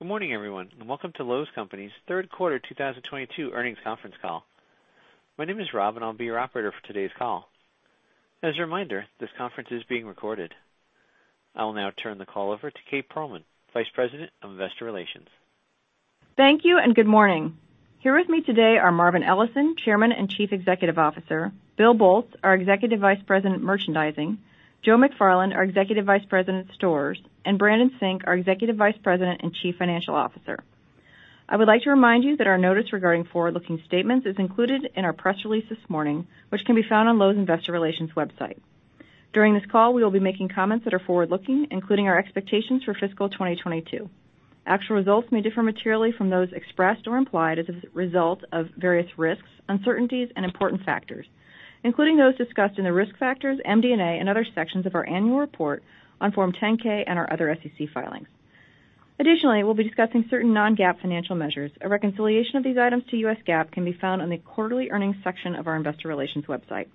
Good morning, everyone, and welcome to Lowe's Companies' Third Quarter 2022 earnings conference call. My name is Rob, and I'll be your operator for today's call. As a reminder, this conference is being recorded. I will now turn the call over to Kate Pearlman, Vice President of Investor Relations. Thank you, and good morning. Here with me today are Marvin Ellison, Chairman and Chief Executive Officer, Bill Boltz, our Executive Vice President, Merchandising, Joe McFarland, our Executive Vice President, Stores, and Brandon Sink, our Executive Vice President and Chief Financial Officer. I would like to remind you that our notice regarding forward-looking statements is included in our press release this morning, which can be found on Lowe's Investor Relations website. During this call, we will be making comments that are forward-looking, including our expectations for fiscal 2022. Actual results may differ materially from those expressed or implied as a result of various risks, uncertainties, and important factors, including those discussed in the risk factors, MD&A and other sections of our annual report on Form 10-K and our other SEC filings. Additionally, we'll be discussing certain non-GAAP financial measures. A reconciliation of these items to U.S. GAAP can be found on the quarterly earnings section of our investor relations website.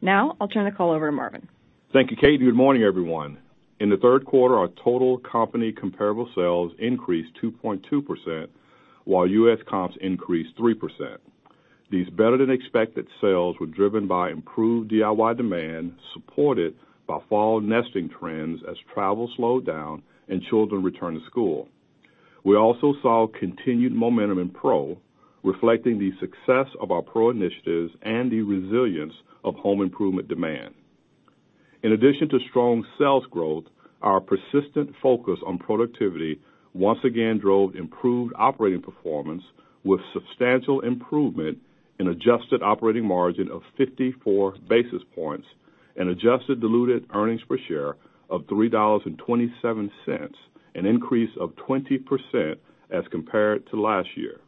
Now I'll turn the call over to Marvin. Thank you, Kate. Good morning, everyone. In the third quarter, our total company comparable sales increased 2.2%, while U.S. comps increased 3%. These better than expected sales were driven by improved DIY demand, supported by fall nesting trends as travel slowed down and children returned to school. We also saw continued momentum in pro, reflecting the success of our pro initiatives and the resilience of home improvement demand. In addition to strong sales growth, our persistent focus on productivity once again drove improved operating performance with substantial improvement in adjusted operating margin of 54 basis points and adjusted diluted earnings per share of $3.27, an increase of 20% as compared to last year.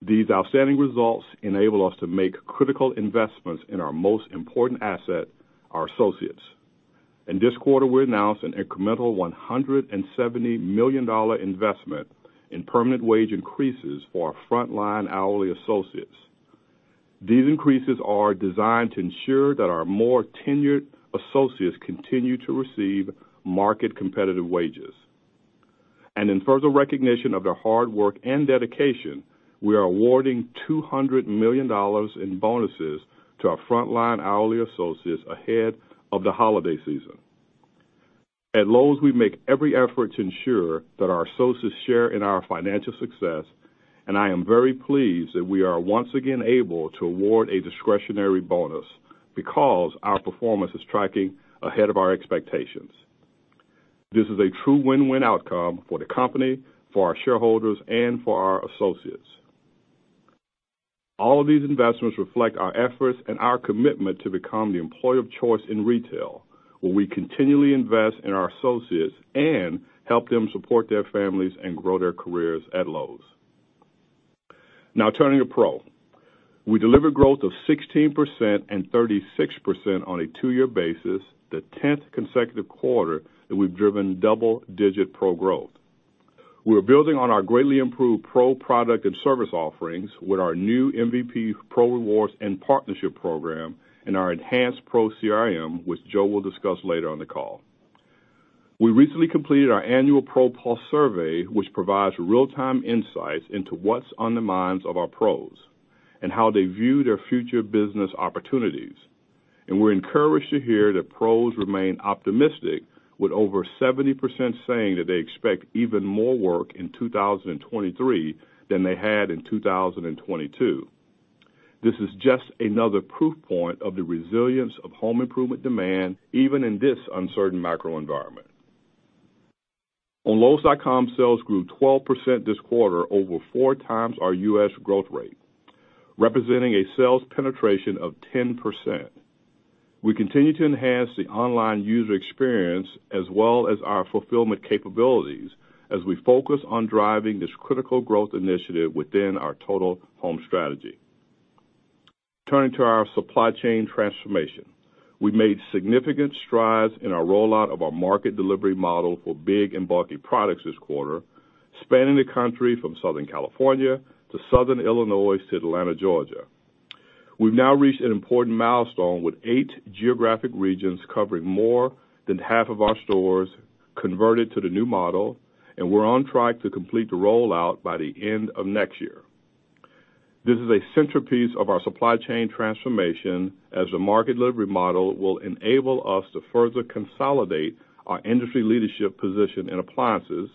These outstanding results enable us to make critical investments in our most important asset, our associates. In this quarter, we announced an incremental $170 million investment in permanent wage increases for our frontline hourly associates. These increases are designed to ensure that our more tenured associates continue to receive market competitive wages. In further recognition of their hard work and dedication, we are awarding $200 million in bonuses to our frontline hourly associates ahead of the holiday season. At Lowe's, we make every effort to ensure that our associates share in our financial success, and I am very pleased that we are once again able to award a discretionary bonus because our performance is tracking ahead of our expectations. This is a true win-win outcome for the company, for our shareholders, and for our associates. All of these investments reflect our efforts and our commitment to become the employer of choice in retail, where we continually invest in our associates and help them support their families and grow their careers at Lowe's. Now turning to Pro. We delivered growth of 16% and 36% on a two-year basis, the 10th consecutive quarter that we've driven double-digit Pro growth. We're building on our greatly improved Pro product and service offerings with our new MVPs Pro Rewards and Partnership Program and our enhanced Pro CRM, which Joe will discuss later on the call. We recently completed our annual Pro Pulse survey, which provides real-time insights into what's on the minds of our pros and how they view their future business opportunities. We're encouraged to hear that pros remain optimistic, with over 70% saying that they expect even more work in 2023 than they had in 2022. This is just another proof point of the resilience of home improvement demand, even in this uncertain macro environment. On Lowes.com, sales grew 12% this quarter over four times our U.S. growth rate, representing a sales penetration of 10%. We continue to enhance the online user experience as well as our fulfillment capabilities as we focus on driving this critical growth initiative within our total home strategy. Turning to our supply chain transformation, we've made significant strides in our rollout of our market delivery model for big and bulky products this quarter, spanning the country from Southern California to southern Illinois to Atlanta, Georgia. We've now reached an important milestone with eight geographic regions covering more than half of our stores converted to the new model, and we're on track to complete the rollout by the end of next year. This is a centerpiece of our supply chain transformation as the market delivery model will enable us to further consolidate our industry leadership position in appliances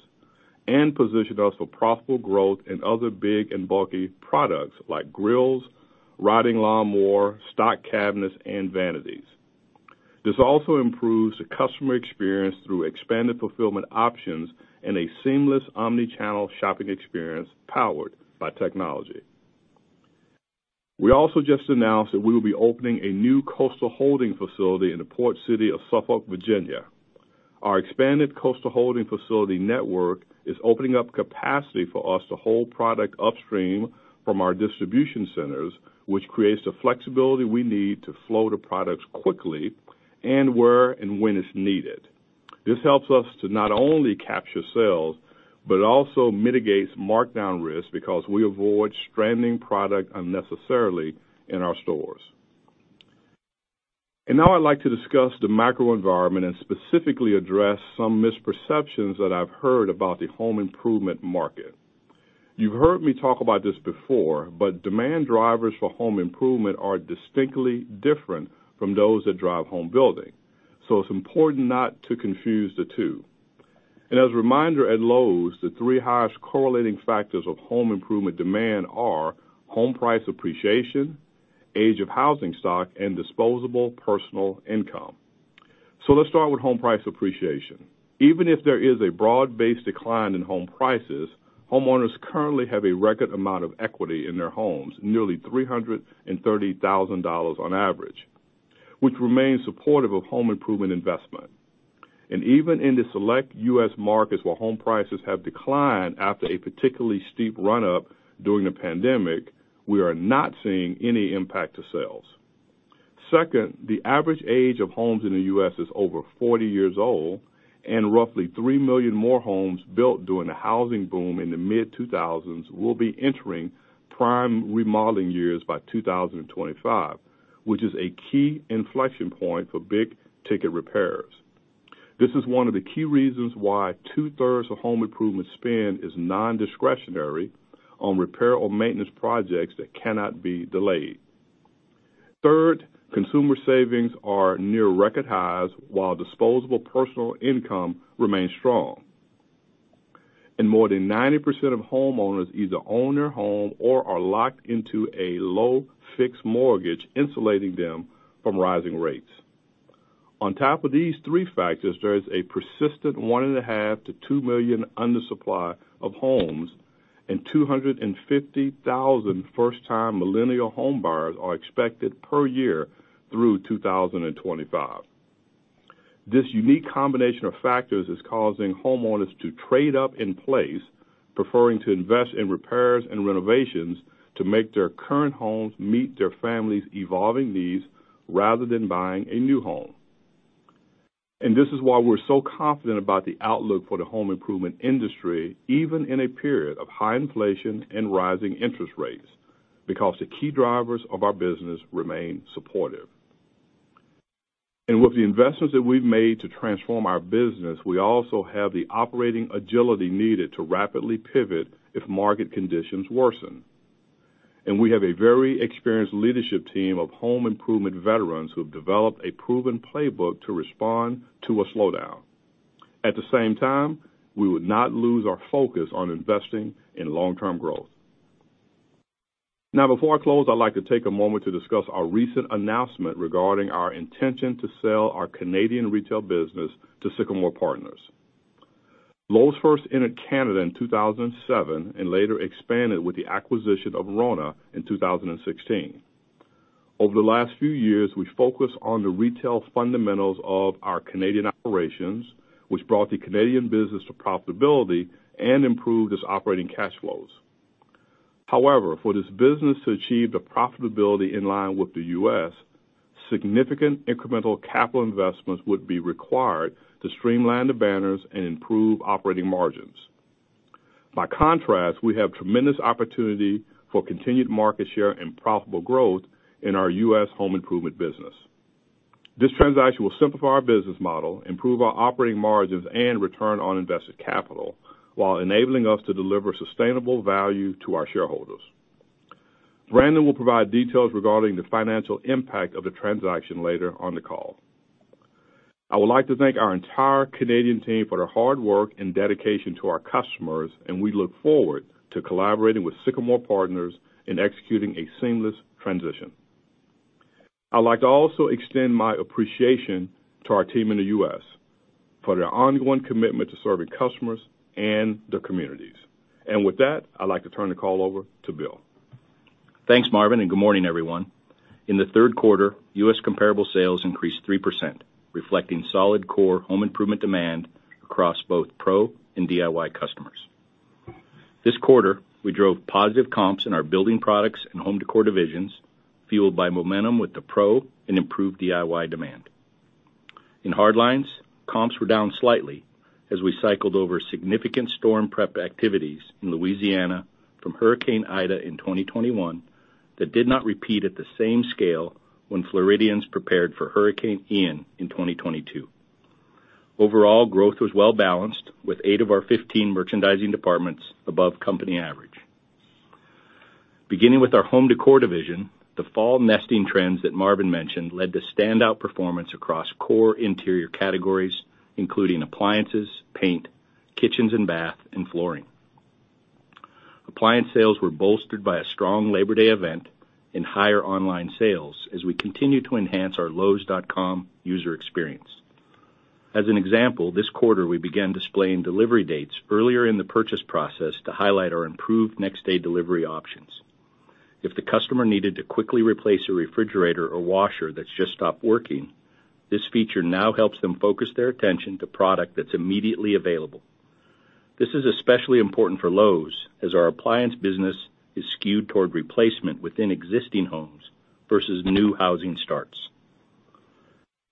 and position us for profitable growth in other big and bulky products like grills, riding lawnmower, stock cabinets, and vanities. This also improves the customer experience through expanded fulfillment options and a seamless omnichannel shopping experience powered by technology. We also just announced that we will be opening a new coastal holding facility in the port city of Suffolk, Virginia. Our expanded coastal holding facility network is opening up capacity for us to hold product upstream from our distribution centers, which creates the flexibility we need to flow the products quickly and where and when it's needed. This helps us to not only capture sales, but it also mitigates markdown risk because we avoid stranding product unnecessarily in our stores. Now I'd like to discuss the macro environment and specifically address some misperceptions that I've heard about the home improvement market. You've heard me talk about this before, but demand drivers for home improvement are distinctly different from those that drive home building, so it's important not to confuse the two. As a reminder, at Lowe's, the three highest correlating factors of home improvement demand are home price appreciation, age of housing stock, and disposable personal income. Let's start with home price appreciation. Even if there is a broad-based decline in home prices, homeowners currently have a record amount of equity in their homes, nearly $330,000 on average, which remains supportive of home improvement investment. Even in the select U.S. markets where home prices have declined after a particularly steep run-up during the pandemic, we are not seeing any impact to sales. Second, the average age of homes in the U.S. is over 40 years old, and roughly 3 million more homes built during the housing boom in the mid-2000s will be entering prime remodeling years by 2025, which is a key inflection point for big-ticket repairs. This is one of the key reasons why twohird of home improvement spend is nondiscretionary on repair or maintenance projects that cannot be delayed. Third, consumer savings are near record highs, while disposable personal income remains strong. More than 90% of homeowners either own their home or are locked into a low fixed mortgage, insulating them from rising rates. On top of these three factors, there is a persistent 1.5-2 million undersupply of homes, and 250,000 first-time millennial home buyers are expected per year through 2025. This unique combination of factors is causing homeowners to trade up in place, preferring to invest in repairs and renovations to make their current homes meet their family's evolving needs rather than buying a new home. This is why we're so confident about the outlook for the home improvement industry, even in a period of high inflation and rising interest rates, because the key drivers of our business remain supportive. With the investments that we've made to transform our business, we also have the operating agility needed to rapidly pivot if market conditions worsen. We have a very experienced leadership team of home improvement veterans who have developed a proven playbook to respond to a slowdown. At the same time, we would not lose our focus on investing in long-term growth. Now before I close, I'd like to take a moment to discuss our recent announcement regarding our intention to sell our Canadian retail business to Sycamore Partners. Lowe's first entered Canada in 2007 and later expanded with the acquisition of RONA in 2016. Over the last few years, we focused on the retail fundamentals of our Canadian operations, which brought the Canadian business to profitability and improved its operating cash flows. However, for this business to achieve the profitability in line with the U.S., significant incremental capital investments would be required to streamline the banners and improve operating margins. By contrast, we have tremendous opportunity for continued market share and profitable growth in our U.S. home improvement business. This transaction will simplify our business model, improve our operating margins and return on invested capital, while enabling us to deliver sustainable value to our shareholders. Brandon will provide details regarding the financial impact of the transaction later on the call. I would like to thank our entire Canadian team for their hard work and dedication to our customers, and we look forward to collaborating with Sycamore Partners in executing a seamless transition. I'd like to also extend my appreciation to our team in the U.S. for their ongoing commitment to serving customers and their communities. With that, I'd like to turn the call over to Bill. Thanks, Marvin, and good morning, everyone. In the third quarter, U.S. comparable sales increased 3%, reflecting solid core home improvement demand across both pro and DIY customers. This quarter, we drove positive comps in our building products and home decor divisions, fueled by momentum with the pro and improved DIY demand. In hardlines, comps were down slightly as we cycled over significant storm prep activities in Louisiana from Hurricane Ida in 2021 that did not repeat at the same scale when Floridians prepared for Hurricane Ian in 2022. Overall, growth was well-balanced with of our 15 merchandising departments above company average. Beginning with our home decor division, the fall nesting trends that Marvin mentioned led to standout performance across core interior categories, including appliances, paint, kitchens and bath, and flooring. Appliance sales were bolstered by a strong Labor Day event and higher online sales as we continue to enhance our Lowes.com user experience. As an example, this quarter we began displaying delivery dates earlier in the purchase process to highlight our improved next-day delivery options. If the customer needed to quickly replace a refrigerator or washer that's just stopped working, this feature now helps them focus their attention to product that's immediately available. This is especially important for Lowe's, as our appliance business is skewed toward replacement within existing homes versus new housing starts.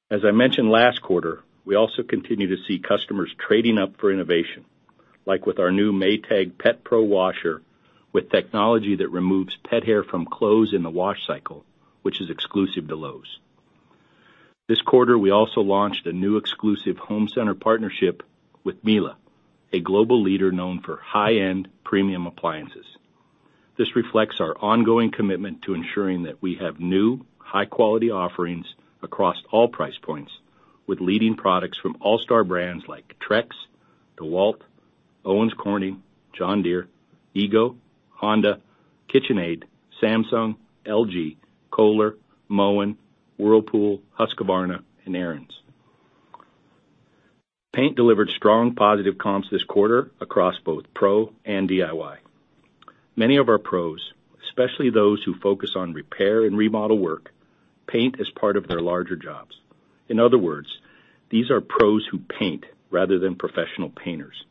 As I mentioned last quarter, we also continue to see customers trading up for innovation. Like with our new Maytag Pet Pro Washer with technology that removes pet hair from clothes in the wash cycle, which is exclusive to Lowe's. This quarter, we also launched a new exclusive home center partnership with Miele, a global leader known for high-end premium appliances. This reflects our ongoing commitment to ensuring that we have new, high-quality offerings across all price points with leading products from all-star brands like Trex, DEWALT, Owens Corning, John Deere, EGO, Honda, KitchenAid, Samsung, LG, Kohler, Moen, Whirlpool, Husqvarna and Ariens. Paint delivered strong positive comps this quarter across both pro and DIY. Many of our pros, especially those who focus on repair and remodel work, paint as part of their larger jobs. In other words, these are pros who paint rather than professional painters,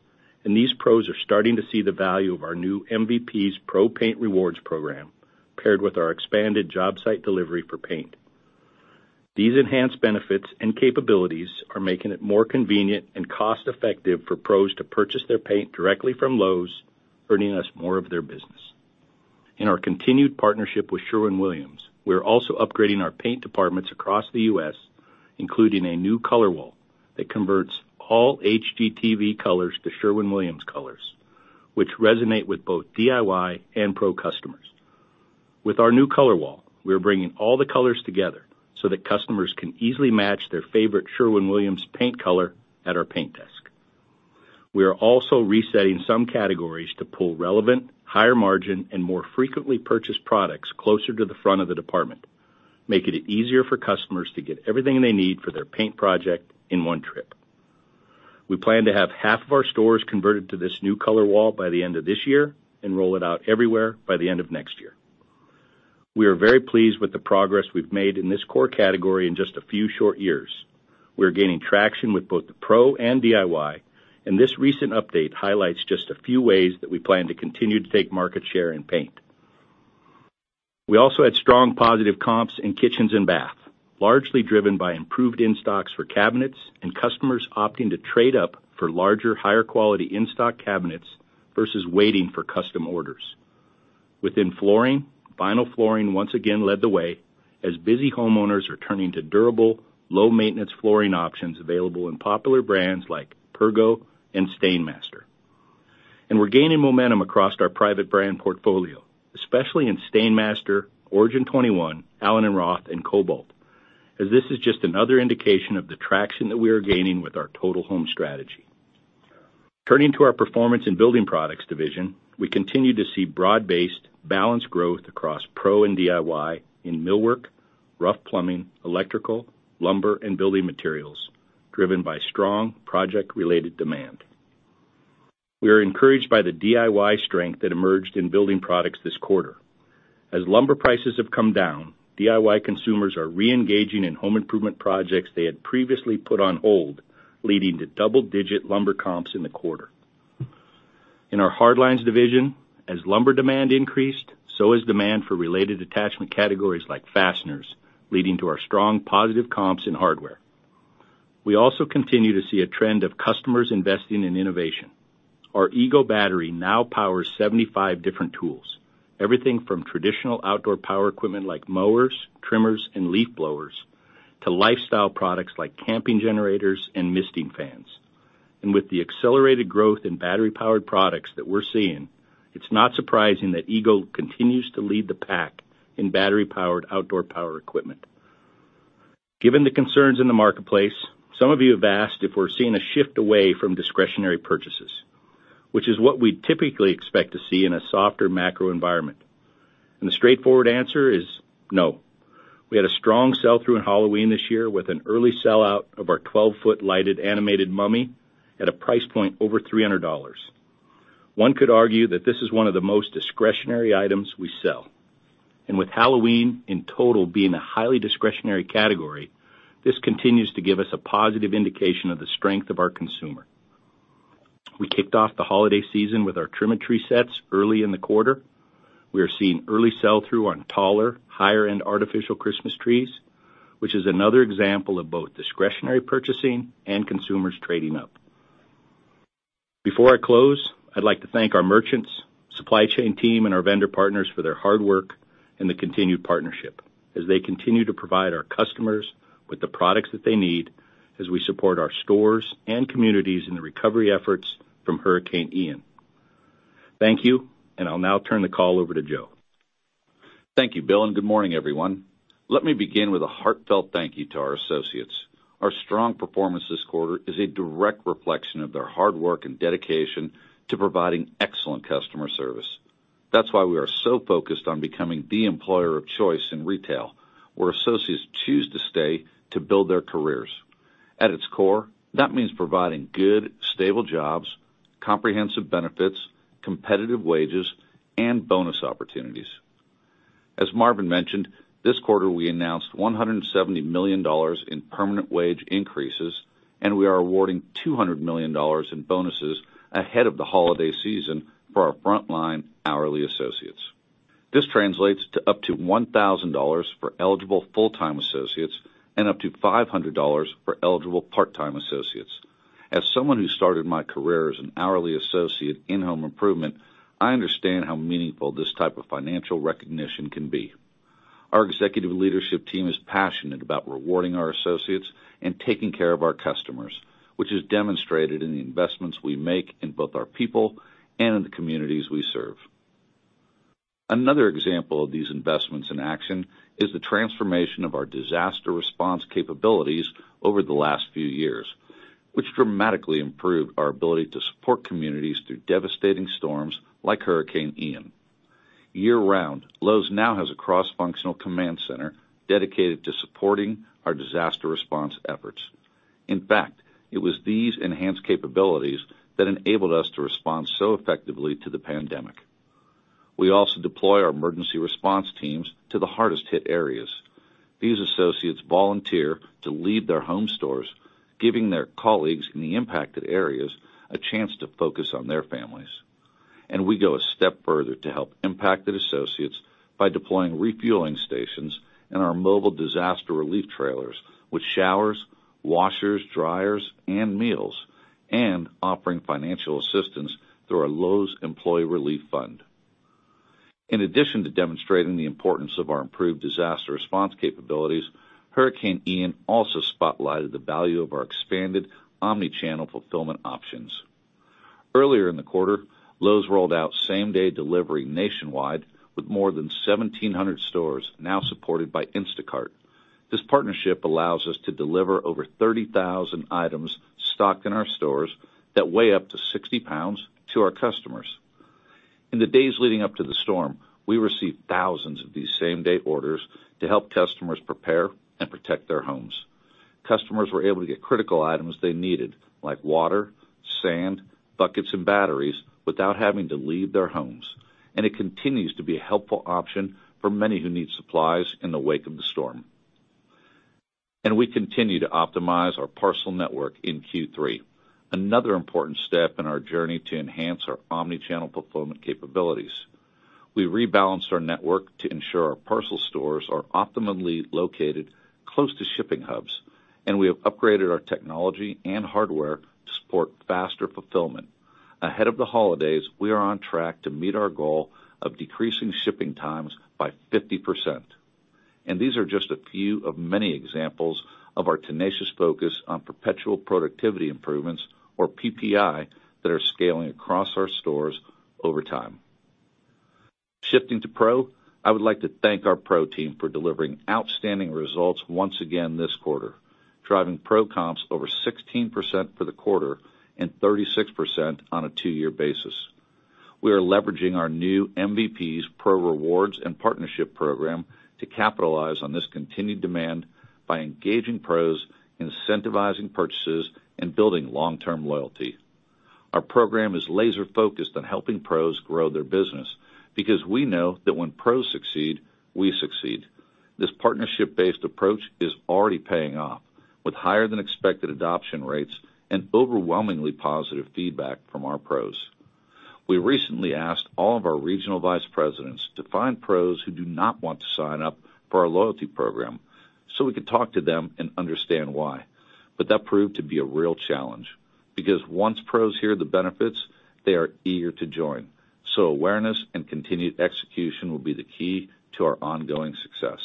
and these pros are starting to see the value of our new MVPs Pro Paint Rewards program, paired with our expanded job site delivery for paint. These enhanced benefits and capabilities are making it more convenient and cost-effective for pros to purchase their paint directly from Lowe's, earning us more of their business. In our continued partnership with Sherwin-Williams, we are also upgrading our paint departments across the U.S., including a new color wall that converts all HGTV colors to Sherwin-Williams colors, which resonate with both DIY and pro customers. With our new color wall, we are bringing all the colors together so that customers can easily match their favorite Sherwin-Williams paint color at our paint desk. We are also resetting some categories to pull relevant, higher margin, and more frequently purchased products closer to the front of the department, making it easier for customers to get everything they need for their paint project in one trip. We plan to have half of our stores converted to this new color wall by the end of this year and roll it out everywhere by the end of next year. We are very pleased with the progress we've made in this core category in just a few short years. We are gaining traction with both the pro and DIY, and this recent update highlights just a few ways that we plan to continue to take market share in paint. We also had strong positive comps in kitchens and bath, largely driven by improved in-stocks for cabinets and customers opting to trade up for larger, higher quality in-stock cabinets versus waiting for custom orders. Within flooring, vinyl flooring once again led the way as busy homeowners are turning to durable, low-maintenance flooring options available in popular brands like Pergo and STAINMASTER. We're gaining momentum across our private brand portfolio, especially in STAINMASTER, Origin 21, allen + roth, and Kobalt, as this is just another indication of the traction that we are gaining with our total home strategy. Turning to our performance in building products division, we continue to see broad-based balanced growth across pro and DIY in millwork, rough plumbing, electrical, lumber, and building materials driven by strong project-related demand. We are encouraged by the DIY strength that emerged in building products this quarter. As lumber prices have come down, DIY consumers are re-engaging in home improvement projects they had previously put on hold, leading to double-digit lumber comps in the quarter. In our hard lines division, as lumber demand increased, so has demand for related attachment categories like fasteners, leading to our strong positive comps in hardware. We also continue to see a trend of customers investing in innovation. Our EGO battery now powers 75 different tools. Everything from traditional outdoor power equipment like mowers, trimmers, and leaf blowers to lifestyle products like camping generators and misting fans. With the accelerated growth in battery-powered products that we're seeing, it's not surprising that EGO continues to lead the pack in battery-powered outdoor power equipment. Given the concerns in the marketplace, some of you have asked if we're seeing a shift away from discretionary purchases, which is what we'd typically expect to see in a softer macro environment. The straightforward answer is no. We had a strong sell-through in Halloween this year with an early sellout of our 12-foot lighted animated mummy at a price point over $300. One could argue that this is one of the most discretionary items we sell. With Halloween in total being a highly discretionary category, this continues to give us a positive indication of the strength of our consumer. We kicked off the holiday season with our Trim-A-Tree sets early in the quarter. We are seeing early sell-through on taller, higher-end artificial Christmas trees, which is another example of both discretionary purchasing and consumers trading up. Before I close, I'd like to thank our merchants, supply chain team, and our vendor partners for their hard work and the continued partnership as they continue to provide our customers with the products that they need as we support our stores and communities in the recovery efforts from Hurricane Ian. Thank you, and I'll now turn the call over to Joe. Thank you, Bill, and good morning, everyone. Let me begin with a heartfelt thank you to our associates. Our strong performance this quarter is a direct reflection of their hard work and dedication to providing excellent customer service. That's why we are so focused on becoming the employer of choice in retail, where associates choose to stay to build their careers. At its core, that means providing good, stable jobs, comprehensive benefits, competitive wages, and bonus opportunities. As Marvin mentioned, this quarter we announced $170 million in permanent wage increases, and we are awarding $200 million in bonuses ahead of the holiday season for our frontline hourly associates. This translates to up to $1,000 for eligible full-time associates and up to $500 for eligible part-time associates. As someone who started my career as an hourly associate in home improvement, I understand how meaningful this type of financial recognition can be. Our executive leadership team is passionate about rewarding our associates and taking care of our customers, which is demonstrated in the investments we make in both our people and in the communities we serve. Another example of these investments in action is the transformation of our disaster response capabilities over the last few years, which dramatically improved our ability to support communities through devastating storms like Hurricane Ian. Year-round, Lowe's now has a cross-functional command center dedicated to supporting our disaster response efforts. In fact, it was these enhanced capabilities that enabled us to respond so effectively to the pandemic. We also deploy our emergency response teams to the hardest-hit areas. These associates volunteer to leave their home stores, giving their colleagues in the impacted areas a chance to focus on their families. We go a step further to help impacted associates by deploying refueling stations in our mobile disaster relief trailers with showers, washers, dryers, and meals, and offering financial assistance through our Lowe's Employee Relief Fund. In addition to demonstrating the importance of our improved disaster response capabilities, Hurricane Ian also spotlighted the value of our expanded omni-channel fulfillment options. Earlier in the quarter, Lowe's rolled out same-day delivery nationwide with more than 1,700 stores now supported by Instacart. This partnership allows us to deliver over 30,000 items stocked in our stores that weigh up to 60 pounds to our customers. In the days leading up to the storm, we received thousands of these same-day orders to help customers prepare and protect their homes. Customers were able to get critical items they needed, like water, sand, buckets, and batteries without having to leave their homes. It continues to be a helpful option for many who need supplies in the wake of the storm. We continue to optimize our parcel network in Q3, another important step in our journey to enhance our omni-channel fulfillment capabilities. We rebalanced our network to ensure our parcel stores are optimally located close to shipping hubs, and we have upgraded our technology and hardware to support faster fulfillment. Ahead of the holidays, we are on track to meet our goal of decreasing shipping times by 50%. These are just a few of many examples of our tenacious focus on Perpetual Productivity Improvements, or PPI, that are scaling across our stores over time. Shifting to Pro, I would like to thank our Pro team for delivering outstanding results once again this quarter, driving Pro comps over 16% for the quarter and 36% on a two-year basis. We are leveraging our new MVPs Pro Rewards and Partnership Program to capitalize on this continued demand by engaging Pros, incentivizing purchases, and building long-term loyalty. Our program is laser-focused on helping Pros grow their business because we know that when Pros succeed, we succeed. This partnership-based approach is already paying off with higher than expected adoption rates and overwhelmingly positive feedback from our Pros. We recently asked all of our regional vice presidents to find Pros who do not want to sign up for our loyalty program, so we could talk to them and understand why. That proved to be a real challenge because once Pros hear the benefits, they are eager to join. Awareness and continued execution will be the key to our ongoing success.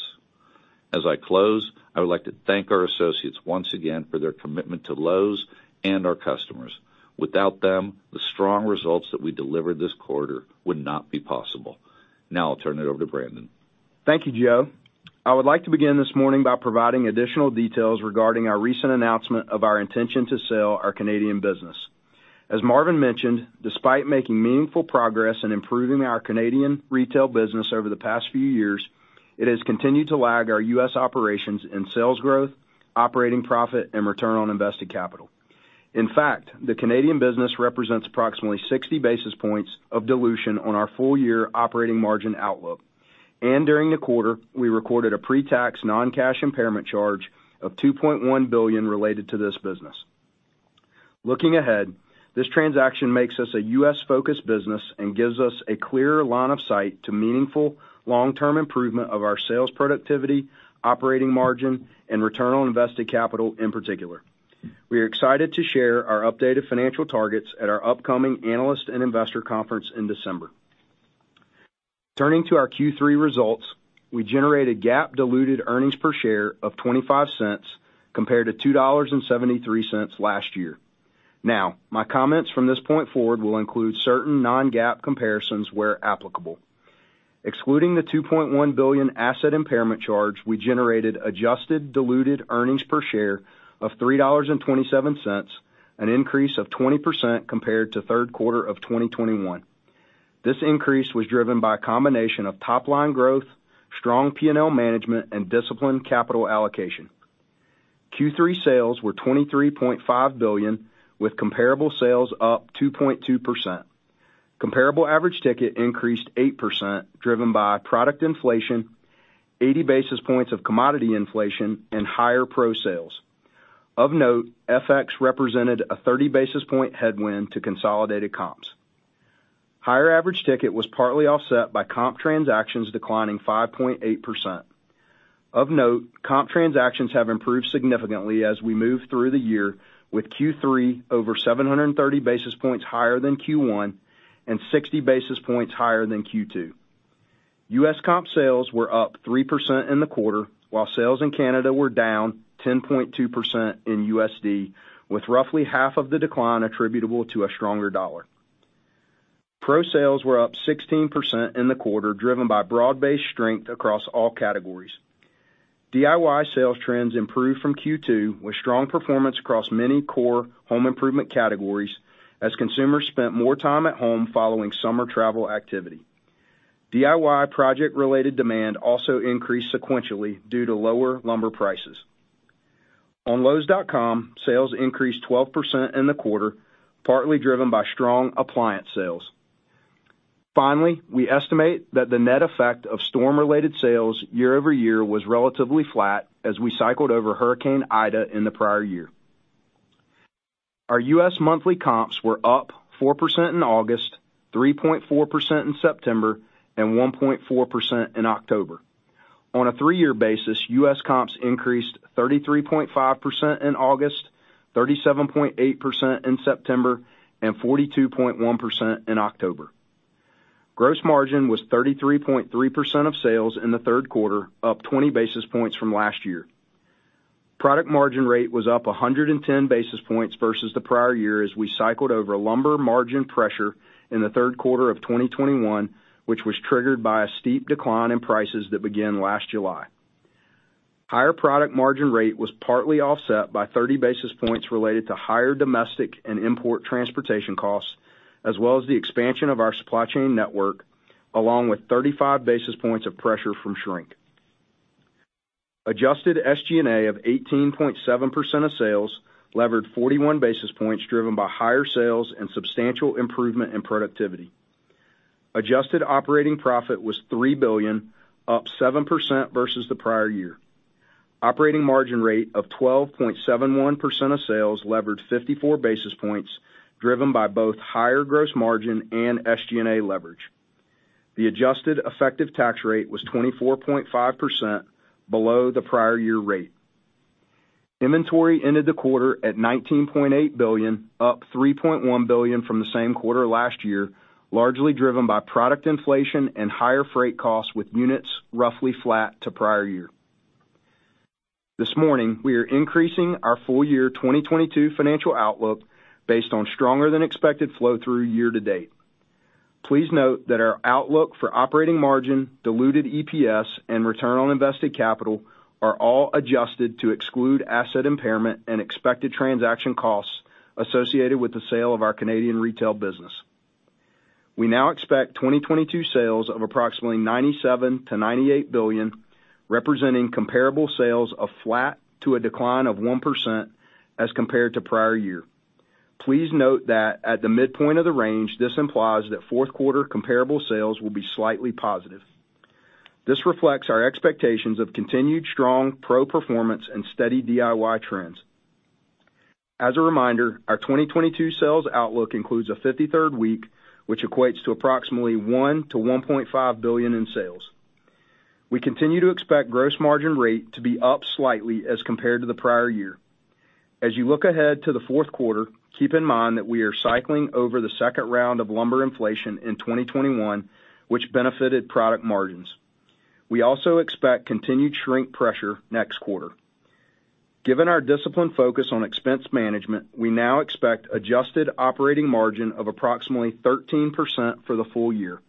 As I close, I would like to thank our associates once again for their commitment to Lowe's and our customers. Without them, the strong results that we delivered this quarter would not be possible. Now I'll turn it over to Brandon. Thank you, Joe. I would like to begin this morning by providing additional details regarding our recent announcement of our intention to sell our Canadian business. As Marvin mentioned, despite making meaningful progress in improving our Canadian retail business over the past few years, it has continued to lag our U.S. operations in sales growth, operating profit, and return on invested capital. In fact, the Canadian business represents approximately 60 basis points of dilution on our full-year operating margin outlook. During the quarter, we recorded a pre-tax non-cash impairment charge of $2.1 billion related to this business. Looking ahead, this transaction makes us a U.S.-focused business and gives us a clear line of sight to meaningful long-term improvement of our sales productivity, operating margin, and return on invested capital in particular. We are excited to share our updated financial targets at our upcoming Analyst and Investor Conference in December. Turning to our Q3 results, we generated GAAP diluted earnings per share of $0.25 compared to $2.73 last year. Now, my comments from this point forward will include certain non-GAAP comparisons where applicable. Excluding the $2.1 billion asset impairment charge, we generated adjusted diluted earnings per share of $3.27, an increase of 20% compared to third quarter of 2021. This increase was driven by a combination of top-line growth, strong P&L management, and disciplined capital allocation. Q3 sales were $23.5 billion, with comparable sales up 2.2%. Comparable average ticket increased 8%, driven by product inflation, 80 basis points of commodity inflation, and higher pro sales. Of note, FX represented a 30 basis point headwind to consolidated comps. Higher average ticket was partly offset by comp transactions declining 5.8%. Of note, comp transactions have improved significantly as we move through the year, with Q3 over 730 basis points higher than Q1 and 60 basis points higher than Q2. U.S. comp sales were up 3% in the quarter, while sales in Canada were down 10.2% in USD, with roughly half of the decline attributable to a stronger dollar. Pro sales were up 16% in the quarter, driven by broad-based strength across all categories. DIY sales trends improved from Q2 with strong performance across many core home improvement categories as consumers spent more time at home following summer travel activity. DIY project-related demand also increased sequentially due to lower lumber prices. On Lowes.com, sales increased 12% in the quarter, partly driven by strong appliance sales. Finally, we estimate that the net effect of storm-related sales year over year was relatively flat as we cycled over Hurricane Ida in the prior year. Our U.S. monthly comps were up 4% in August, 3.4% in September, and 1.4% in October. On a three-year basis, U.S. comps increased 33.5% in August, 37.8% in September, and 42.1% in October. Gross margin was 33.3% of sales in the third quarter, up 20 basis points from last year. Product margin rate was up 110 basis points versus the prior year as we cycled over lumber margin pressure in the third quarter of 2021, which was triggered by a steep decline in prices that began last July. Higher product margin rate was partly offset by 30 basis points related to higher domestic and import transportation costs, as well as the expansion of our supply chain network, along with 35 basis points of pressure from shrink. Adjusted SG&A of 18.7% of sales levered 41 basis points driven by higher sales and substantial improvement in productivity. Adjusted operating profit was $3 billion, up 7% versus the prior year. Operating margin rate of 12.71% of sales leveraged 54 basis points driven by both higher gross margin and SG&A leverage. The adjusted effective tax rate was 24.5% below the prior year rate. Inventory ended the quarter at $19.8 billion, up $3.1 billion from the same quarter last year, largely driven by product inflation and higher freight costs, with units roughly flat to prior year. This morning, we are increasing our full year 2022 financial outlook based on stronger than expected flow through year to date. Please note that our outlook for operating margin, diluted EPS, and return on invested capital are all adjusted to exclude asset impairment and expected transaction costs associated with the sale of our Canadian retail business. We now expect 2022 sales of approximately $97 billion-$98 billion, representing comparable sales of flat to a decline of 1% as compared to prior year. Please note that at the midpoint of the range, this implies that fourth quarter comparable sales will be slightly positive. This reflects our expectations of continued strong pro performance and steady DIY trends. As a reminder, our 2022 sales outlook includes a 53rd week, which equates to approximately $1-1.5 billion in sales. We continue to expect gross margin rate to be up slightly as compared to the prior year. As you look ahead to the fourth quarter, keep in mind that we are cycling over the second round of lumber inflation in 2021, which benefited product margins. We also expect continued shrink pressure next quarter. Given our disciplined focus on expense management, we now expect adjusted operating margin of approximately 13% for the full year.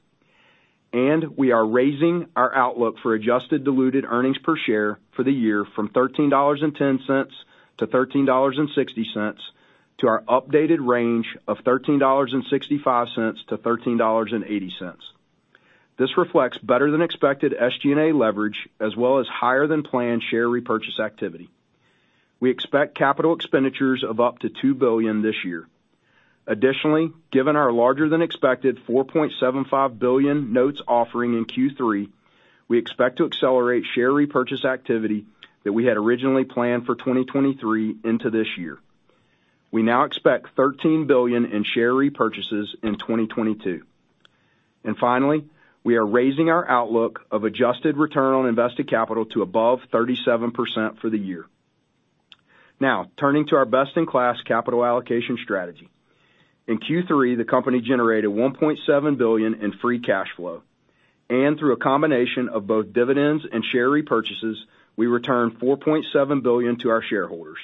We are raising our outlook for adjusted diluted earnings per share for the year from $13.10-$13.60 to our updated range of $13.65-$13.80. This reflects better than expected SG&A leverage as well as higher than planned share repurchase activity. We expect capital expenditures of up to $2 billion this year. Additionally, given our larger than expected $4.75 billion notes offering in Q3, we expect to accelerate share repurchase activity that we had originally planned for 2023 into this year. We now expect $13 billion in share repurchases in 2022. Finally, we are raising our outlook of adjusted return on invested capital to above 37% for the year. Now, turning to our best-in-class capital allocation strategy. In Q3, the company generated $1.7 billion in free cash flow. Through a combination of both dividends and share repurchases, we returned $4.7 billion to our shareholders.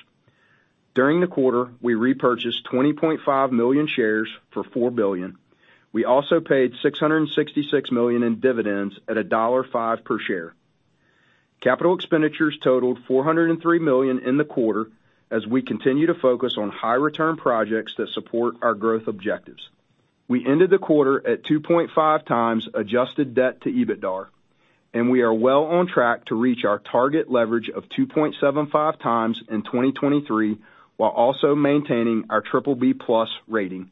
During the quarter, we repurchased 20.5 million shares for $4 billion. We also paid $666 million in dividends at $1.05 per share. Capital expenditures totaled $403 million in the quarter as we continue to focus on high return projects that support our growth objectives. We ended the quarter at 2.5 times adjusted debt to EBITDA, and we are well on track to reach our target leverage of 2.75 times in 2023, while also maintaining our BBB+ rating.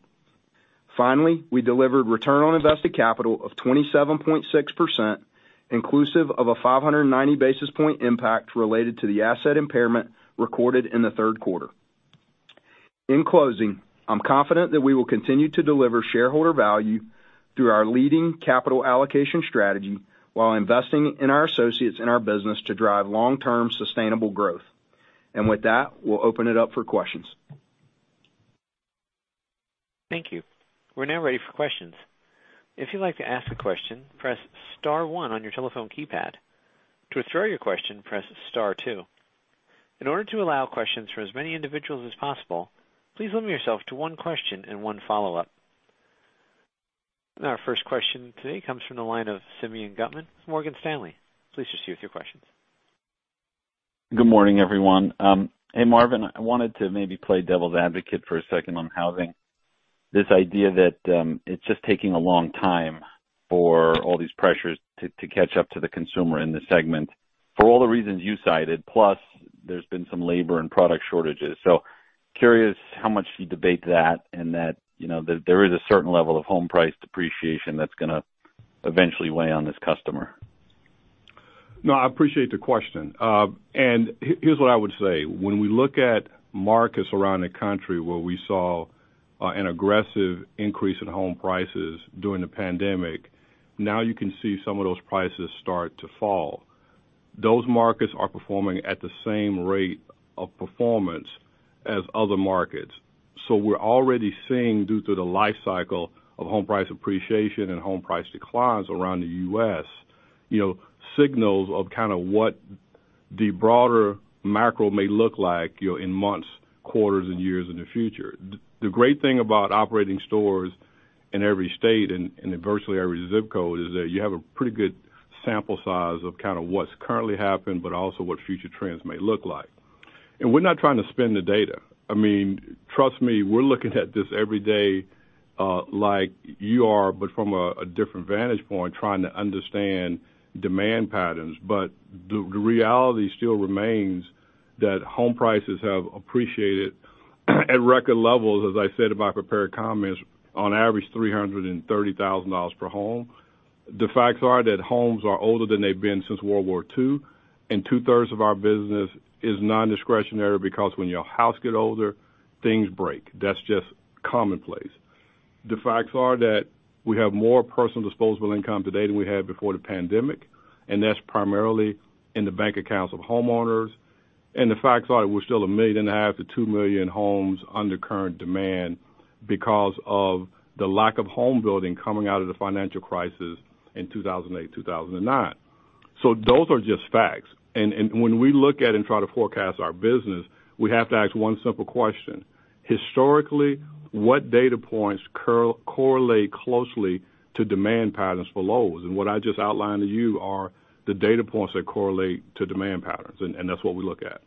Finally, we delivered return on invested capital of 27.6%, inclusive of a 590 basis point impact related to the asset impairment recorded in the third quarter. In closing, I'm confident that we will continue to deliver shareholder value through our leading capital allocation strategy while investing in our associates in our business to drive long-term sustainable growth. With that, we'll open it up for questions. Thank you. We're now ready for questions. If you'd like to ask a question, press star one on your telephone keypad. To withdraw your question, press star two. In order to allow questions from as many individuals as possible, please limit yourself to one question and one follow-up. Our first question today comes from the line of Simeon Gutman with Morgan Stanley. Please proceed with your questions. Good morning, everyone. Hey, Marvin, I wanted to maybe play devil's advocate for a second on housing. This idea that it's just taking a long time for all these pressures to catch up to the consumer in this segment for all the reasons you cited, plus there's been some labor and product shortages. Curious how much you debate that and that you know there is a certain level of home price depreciation that's gonna eventually weigh on this customer. No, I appreciate the question. Here's what I would say. When we look at markets around the country where we saw an aggressive increase in home prices during the pandemic, now you can see some of those prices start to fall. Those markets are performing at the same rate of performance as other markets. We're already seeing due to the life cycle of home price appreciation and home price declines around the U.S., you know, signals of kinda what the broader macro may look like, you know, in months, quarters and years in the future. The great thing about operating stores in every state and in virtually every ZIP code is that you have a pretty good sample size of kinda what's currently happened, but also what future trends may look like. We're not trying to spin the data. I mean, trust me, we're looking at this every day, like you are, but from a different vantage point, trying to understand demand patterns. The reality still remains that home prices have appreciated at record levels, as I said in my prepared comments, on average $330,000 per home. The facts are that homes are older than they've been since World War II, and two-thirds of our business is nondiscretionary because when your house get older, things break. That's just commonplace. The facts are that we have more personal disposable income today than we had before the pandemic, and that's primarily in the bank accounts of homeowners. The facts are we're still 1.5 million-2 million homes under current demand because of the lack of home building coming out of the financial crisis in 2008, 2009. Those are just facts. When we look at and try to forecast our business, we have to ask one simple question: Historically, what data points correlate closely to demand patterns for Lowe's? What I just outlined to you are the data points that correlate to demand patterns, and that's what we look at.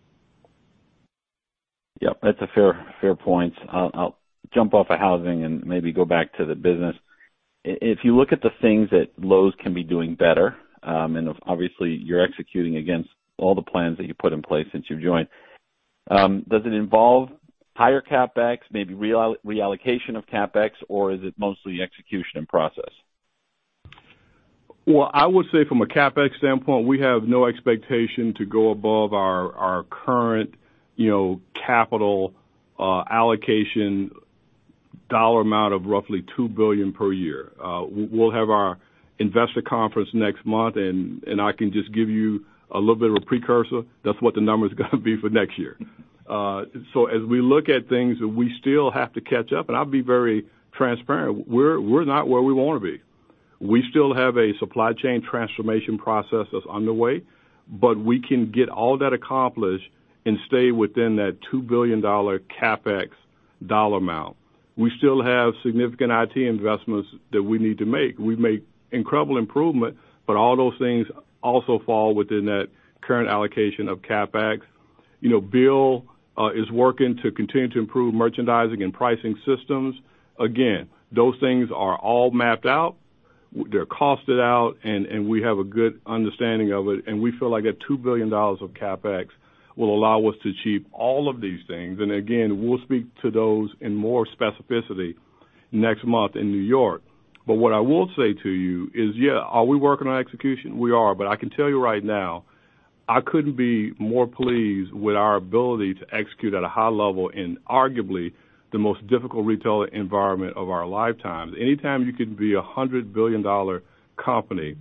Yep, that's a fair point. I'll jump off of housing and maybe go back to the business. If you look at the things that Lowe's can be doing better, and obviously you're executing against all the plans that you put in place since you've joined, does it involve higher CapEx, maybe reallocation of CapEx, or is it mostly execution and process? Well, I would say from a CapEx standpoint, we have no expectation to go above our current, you know, capital allocation dollar amount of roughly $2 billion per year. We'll have our investor conference next month and I can just give you a little bit of a precursor. That's what the number's gonna be for next year. As we look at things, we still have to catch up, and I'll be very transparent. We're not where we wanna be. We still have a supply chain transformation process that's underway, but we can get all that accomplished and stay within that $2 billion dollar CapEx dollar amount. We still have significant IT investments that we need to make. We've made incredible improvement, but all those things also fall within that current allocation of CapEx. You know, Bill is working to continue to improve merchandising and pricing systems. Again, those things are all mapped out. They're costed out, and we have a good understanding of it, and we feel like that $2 billion of CapEx will allow us to achieve all of these things. We'll speak to those in more specificity next month in New York. What I will say to you is, yeah, are we working on execution? We are. I can tell you right now, I couldn't be more pleased with our ability to execute at a high level in arguably the most difficult retail environment of our lifetimes. Anytime you can be a $100 billion dollar company,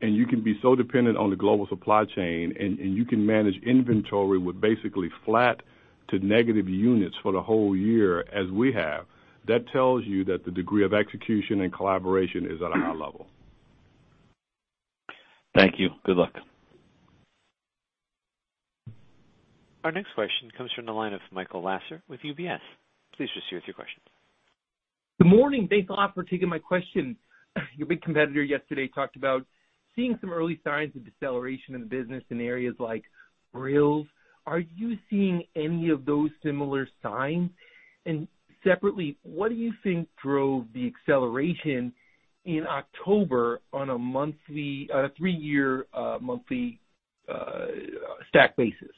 and you can be so dependent on the global supply chain, and you can manage inventory with basically flat to negative units for the whole year as we have, that tells you that the degree of execution and collaboration is at a high level. Thank you. Good luck. Our next question comes from the line of Michael Lasser with UBS. Please proceed with your questions. Good morning. Thanks a lot for taking my question. Your big competitor yesterday talked about seeing some early signs of deceleration in the business in areas like grills. Are you seeing any of those similar signs? Separately, what do you think drove the acceleration in October on a three-year monthly stack basis?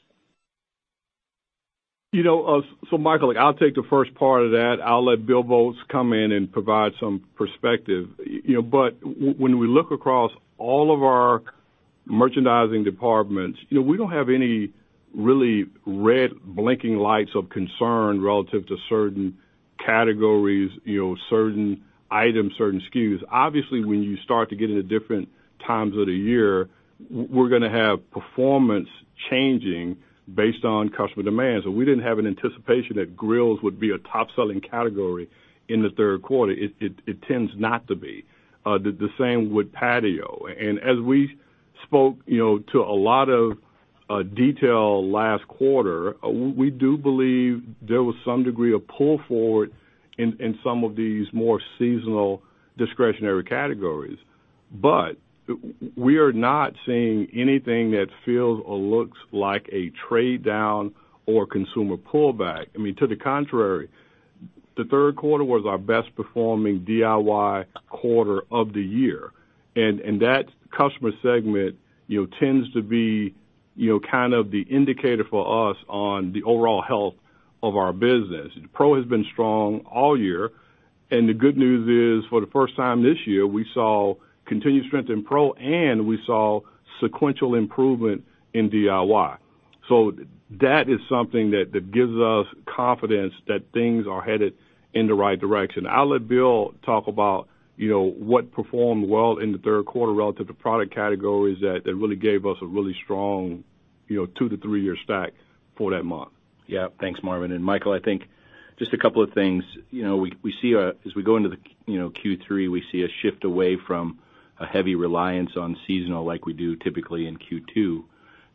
You know, so Michael, I'll take the first part of that. I'll let Bill Boltz come in and provide some perspective. You know, but when we look across all of our merchandising departments, you know, we don't have any really red blinking lights of concern relative to certain categories, you know, certain items, certain SKUs. Obviously, when you start to get into different times of the year, we're gonna have performance changing based on customer demand. So we didn't have an anticipation that grills would be a top-selling category in the third quarter. It tends not to be. The same with patio. As we spoke, you know, to a lot of detail last quarter, we do believe there was some degree of pull forward in some of these more seasonal discretionary categories. We are not seeing anything that feels or looks like a trade down or consumer pullback. I mean, to the contrary, the third quarter was our best performing DIY quarter of the year, and that customer segment, you know, tends to be, you know, kind of the indicator for us on the overall health of our business. Pro has been strong all year, and the good news is, for the first time this year, we saw continued strength in Pro and we saw sequential improvement in DIY. That is something that gives us confidence that things are headed in the right direction. I'll let Bill talk about, you know, what performed well in the third quarter relative to product categories that really gave us a strong, you know, two to three-year stack for that month. Yeah. Thanks, Marvin. Michael, I think just a couple of things. You know, we see as we go into Q3, you know, a shift away from a heavy reliance on seasonal like we do typically in Q2.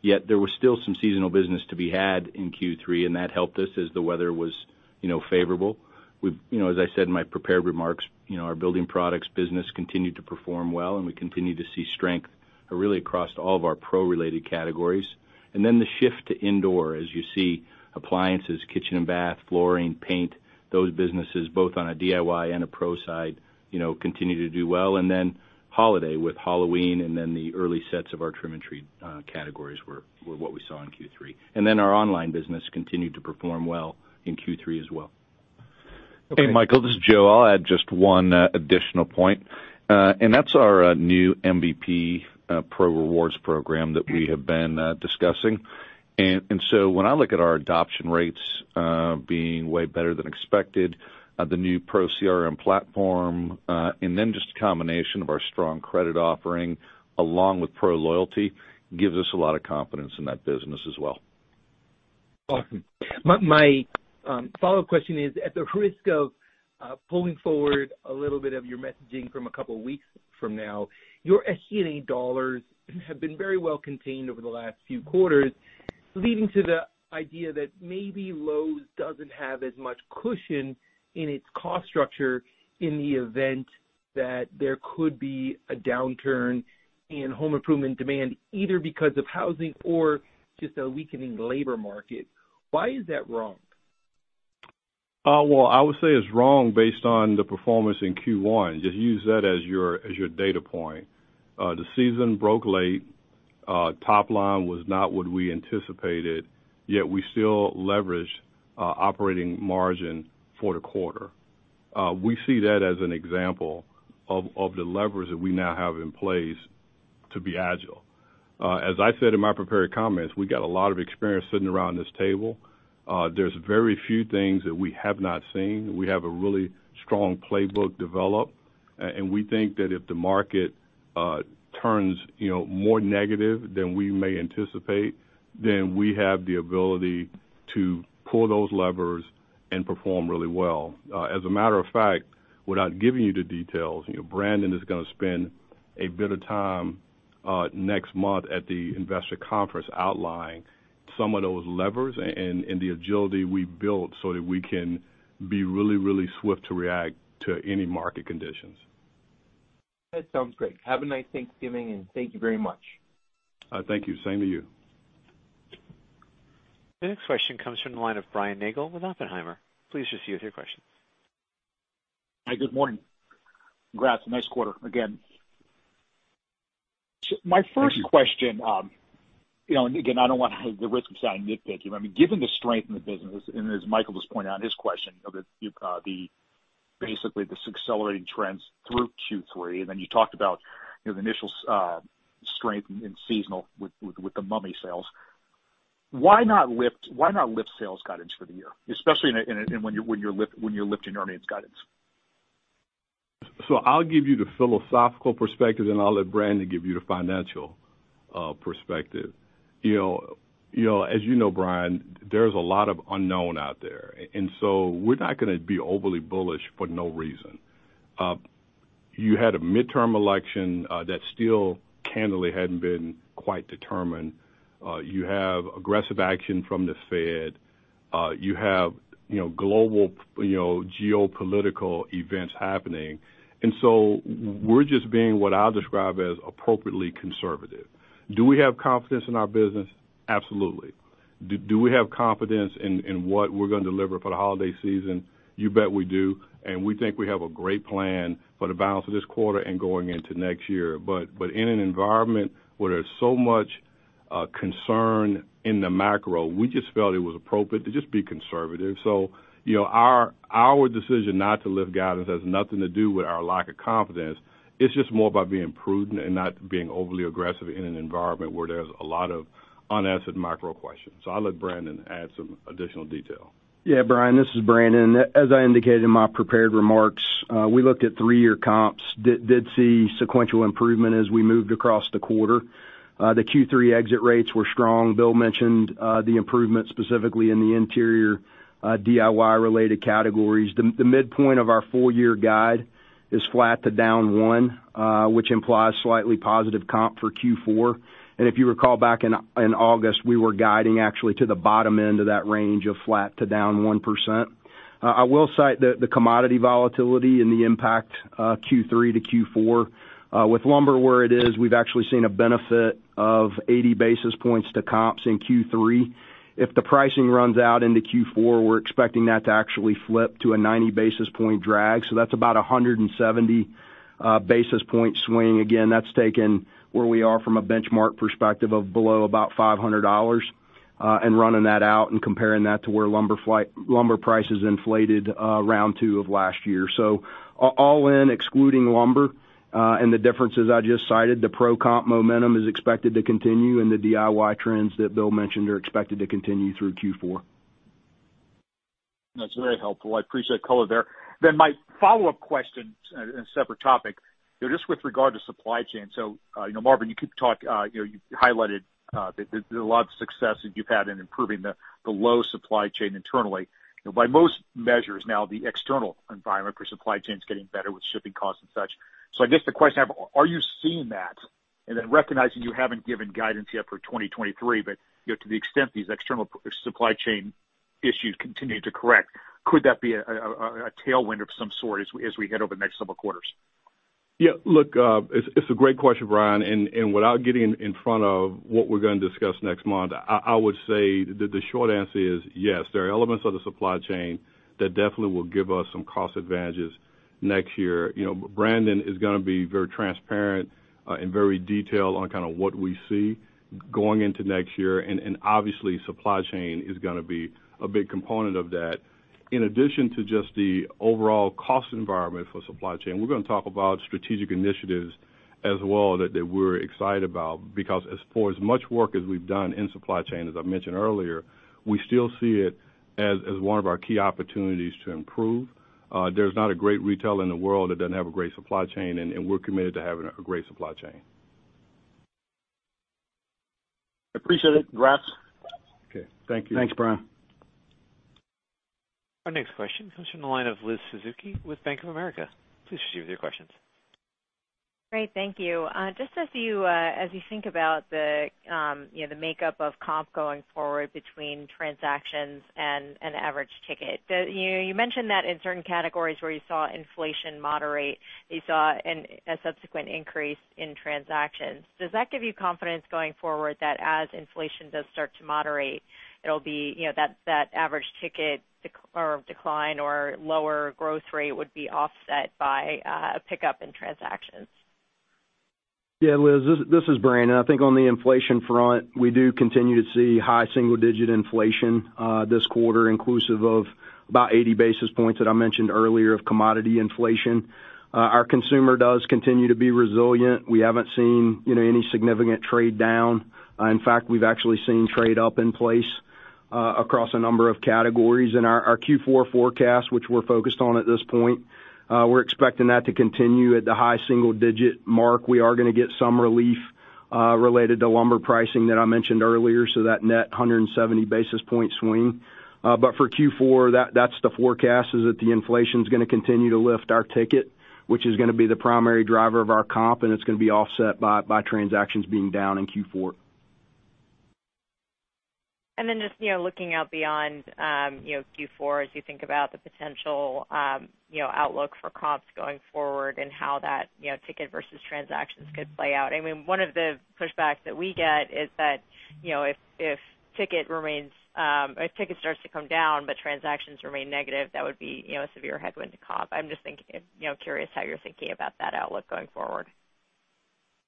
Yet there was still some seasonal business to be had in Q3, and that helped us as the weather was, you know, favorable. We've, you know, as I said in my prepared remarks, you know, our building products business continued to perform well and we continued to see strength really across all of our pro-related categories. Then the shift to indoor, as you see, appliances, kitchen and bath, flooring, paint, those businesses, both on a DIY and a pro side, you know, continue to do well. Holiday with Halloween and then the early sets of our Trim-A-Tree categories were what we saw in Q3. Our online business continued to perform well in Q3 as well. Okay. Hey, Michael, this is Joe. I'll add just one additional point, and that's our new MVP Pro Rewards program that we have been discussing. When I look at our adoption rates being way better than expected, the new Pro CRM platform, and then just a combination of our strong credit offering along with Pro Loyalty gives us a lot of confidence in that business as well. Awesome. My follow-up question is, at the risk of pulling forward a little bit of your messaging from a couple of weeks from now, your SG&A dollars have been very well contained over the last few quarters, leading to the idea that maybe Lowe's doesn't have as much cushion in its cost structure in the event that there could be a downturn in home improvement demand, either because of housing or just a weakening labor market. Why is that wrong? Well, I would say it's wrong based on the performance in Q1. Just use that as your data point. The season broke late. Top line was not what we anticipated, yet we still leveraged our operating margin for the quarter. We see that as an example of the levers that we now have in place to be agile. As I said in my prepared comments, we got a lot of experience sitting around this table. There's very few things that we have not seen. We have a really strong playbook developed. We think that if the market turns, you know, more negative than we may anticipate, then we have the ability to pull those levers and perform really well. As a matter of fact, without giving you the details, you know, Brandon is gonna spend a bit of time next month at the investor conference outlining some of those levers and the agility we built so that we can be really, really swift to react to any market conditions. That sounds great. Have a nice Thanksgiving, and thank you very much. Thank you. Same to you. The next question comes from the line of Brian Nagel with Oppenheimer. Please go ahead with your questions. Hi, good morning. Congrats, nice quarter again. Thank you. My first question, you know, and again, I don't want to have the risk of sounding nitpicky, but I mean, given the strength in the business, and as Michael just pointed out in his question, you know, basically this accelerating trends through Q3, and then you talked about, you know, the initial strength in seasonal with the holiday sales. Why not lift sales guidance for the year, especially when you're lifting earnings guidance? I'll give you the philosophical perspective, and I'll let Brandon give you the financial perspective. You know, as you know, Brian, there's a lot of unknown out there. We're not gonna be overly bullish for no reason. You had a midterm election that still candidly hadn't been quite determined. You have aggressive action from the Fed. You have, you know, global, you know, geopolitical events happening. We're just being what I'll describe as appropriately conservative. Do we have confidence in our business? Absolutely. Do we have confidence in what we're gonna deliver for the holiday season? You bet we do. We think we have a great plan for the balance of this quarter and going into next year. In an environment where there's so much concern in the macro. We just felt it was appropriate to just be conservative. You know, our decision not to lift guidance has nothing to do with our lack of confidence. It's just more about being prudent and not being overly aggressive in an environment where there's a lot of unanswered macro questions. I'll let Brandon add some additional detail. Yeah, Brian, this is Brandon. As I indicated in my prepared remarks, we looked at three-year comps. Did see sequential improvement as we moved across the quarter. The Q3 exit rates were strong. Bill mentioned the improvement specifically in the interior DIY-related categories. The midpoint of our full year guide is flat to down 1, which implies slightly positive comp for Q4. If you recall back in August, we were guiding actually to the bottom end of that range of flat to down 1%. I will cite the commodity volatility and the impact of Q3 to Q4. With lumber where it is, we've actually seen a benefit of 80 basis points to comps in Q3. If the pricing runs out into Q4, we're expecting that to actually flip to a 90 basis point drag. That's about 170 basis point swing. Again, that's taken where we are from a benchmark perspective of below about $500, and running that out and comparing that to where lumber prices inflated round two of last year. All in, excluding lumber, and the differences I just cited, the pro comp momentum is expected to continue, and the DIY trends that Bill mentioned are expected to continue through Q4. That's very helpful. I appreciate color there. My follow-up question, in a separate topic. You know, just with regard to supply chain. You know, Marvin, you could talk, you know, you highlighted that there's a lot of success that you've had in improving the Lowe's supply chain internally. You know, by most measures now, the external environment for supply chain is getting better with shipping costs and such. I guess the question I have, are you seeing that? Recognizing you haven't given guidance yet for 2023, but, you know, to the extent these external supply chain issues continue to correct, could that be a tailwind of some sort as we head over the next several quarters? Yeah. Look, it's a great question, Brian, and without getting in front of what we're gonna discuss next month, I would say that the short answer is yes. There are elements of the supply chain that definitely will give us some cost advantages next year. You know, Brandon is gonna be very transparent and very detailed on kind of what we see going into next year. Obviously, supply chain is gonna be a big component of that. In addition to just the overall cost environment for supply chain, we're gonna talk about strategic initiatives as well that we're excited about. Because as far as much work as we've done in supply chain, as I mentioned earlier, we still see it as one of our key opportunities to improve. There's not a great retailer in the world that doesn't have a great supply chain, and we're committed to having a great supply chain. Appreciate it. Gracias. Okay. Thank you. Thanks, Brian. Our next question comes from the line of Liz Suzuki with Bank of America. Please proceed with your questions. Great. Thank you. Just as you think about the, you know, the makeup of comp going forward between transactions and average ticket. You know, you mentioned that in certain categories where you saw inflation moderate, you saw a subsequent increase in transactions. Does that give you confidence going forward that as inflation does start to moderate, it'll be, you know, that average ticket decline or lower growth rate would be offset by a pickup in transactions? Yeah, Liz, this is Brandon. I think on the inflation front, we do continue to see high single digit inflation this quarter, inclusive of about 80 basis points that I mentioned earlier of commodity inflation. Our consumer does continue to be resilient. We haven't seen, you know, any significant trade down. In fact, we've actually seen trade up in place across a number of categories. In our Q4 forecast, which we're focused on at this point, we're expecting that to continue at the high single digit mark. We are gonna get some relief related to lumber pricing that I mentioned earlier, so that net 170 basis point swing. For Q4, the forecast is that the inflation's gonna continue to lift our ticket, which is gonna be the primary driver of our comp, and it's gonna be offset by transactions being down in Q4. Just looking out beyond, you know, Q4, as you think about the potential, you know, outlook for comps going forward and how that, you know, ticket versus transactions could play out. I mean, one of the pushbacks that we get is that, you know, if ticket starts to come down but transactions remain negative, that would be, you know, a severe headwind to comp. I'm just curious how you're thinking about that outlook going forward.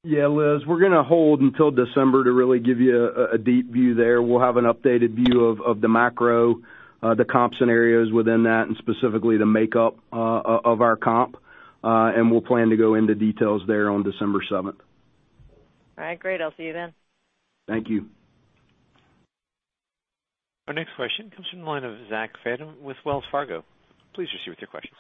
Yeah, Liz, we're gonna hold until December to really give you a deep view there. We'll have an updated view of the macro, the comp scenarios within that and specifically the makeup of our comp, and we'll plan to go into details there on December seventh. All right, great. I'll see you then. Thank you. Our next question comes from the line of Zach Fadem with Wells Fargo. Please proceed with your questions.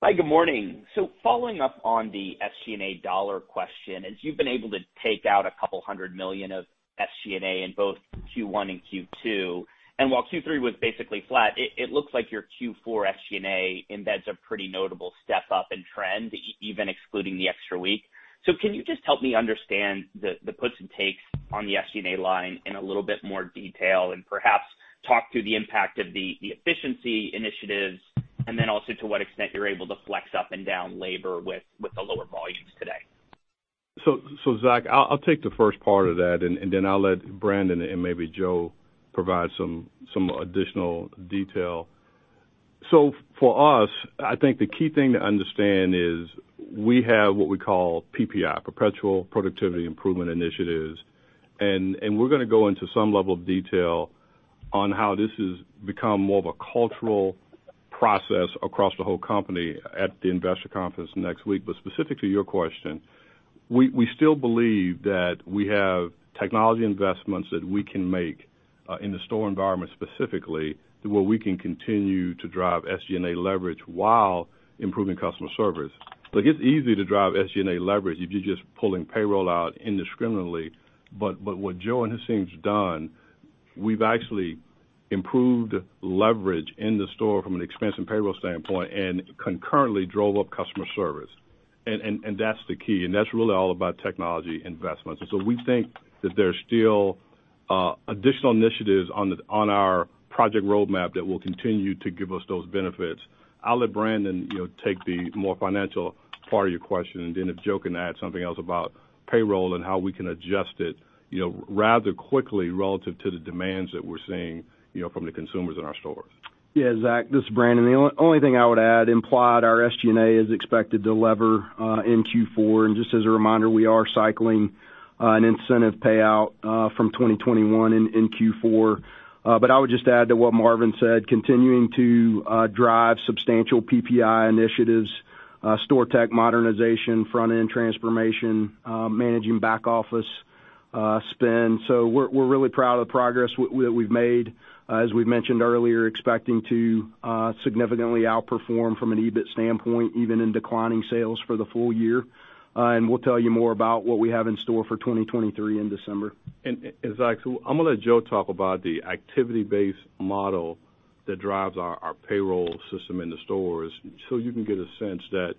Hi, good morning. Following up on the SG&A dollar question, as you've been able to take out $200 million of SG&A in both Q1 and Q2, and while Q3 was basically flat, it looks like your Q4 SG&A embeds a pretty notable step up in trend even excluding the extra week. Can you just help me understand the puts and takes on the SG&A line in a little bit more detail and perhaps talk through the impact of the efficiency initiatives and then also to what extent you're able to flex up and down labor with the lower volumes today? Zach, I'll take the first part of that and then I'll let Brandon and maybe Joe provide some additional detail. For us, I think the key thing to understand is we have what we call PPI, Perpetual Productivity Improvement initiatives. We're gonna go into some level of detail on how this has become more of a cultural process across the whole company at the investor conference next week. Specifically to your question, we still believe that we have technology investments that we can make in the store environment specifically to where we can continue to drive SG&A leverage while improving customer service. Look, it's easy to drive SG&A leverage if you're just pulling payroll out indiscriminately, but what Joe and his team's done, we've actually improved leverage in the store from an expense and payroll standpoint and concurrently drove up customer service. That's the key, and that's really all about technology investments. We think that there's still additional initiatives on our project roadmap that will continue to give us those benefits. I'll let Brandon, you know, take the more financial part of your question, and then if Joe can add something else about payroll and how we can adjust it, you know, rather quickly relative to the demands that we're seeing, you know, from the consumers in our stores. Yeah, Zach, this is Brandon. The only thing I would add, implied our SG&A is expected to lever in Q4. Just as a reminder, we are cycling an incentive payout from 2021 in Q4. I would just add to what Marvin said, continuing to drive substantial PPI initiatives, store tech modernization, front-end transformation, managing back office spend. We're really proud of the progress we've made. As we've mentioned earlier, expecting to significantly outperform from an EBIT standpoint, even in declining sales for the full year. We'll tell you more about what we have in store for 2023 in December. Zach, I'm gonna let Joe talk about the activity-based model that drives our payroll system in the stores so you can get a sense that,